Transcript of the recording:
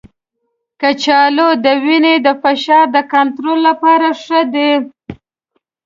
کچالو د وینې د فشار د کنټرول لپاره ښه دی.